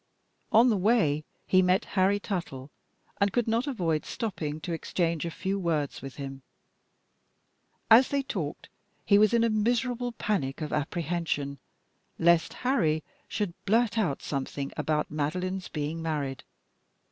On the way he met Harry Tuttle, and could not avoid stopping to exchange a few words with him.. As they talked, he was in a miserable panic of apprehension lest Harry should blurt out something about Madeline's being married.